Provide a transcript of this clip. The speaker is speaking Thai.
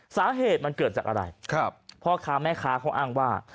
สาเหตุมันเกิดจากอะไรครับพ่อค้าแม่ค้าเขาอ้างว่า